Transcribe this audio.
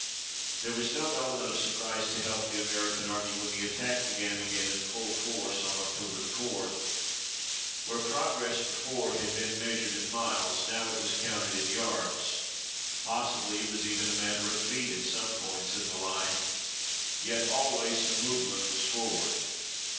There was no element of surprise to help the American Army when the attack began again in full force on October 4. Where progress before had been measured in miles, now it was counted in yards. Possibly it was even a matter of feet at some points in the line. Yet always the movement was forward.